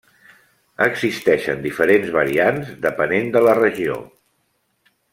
Existeixen diferents variants depenent de la regió.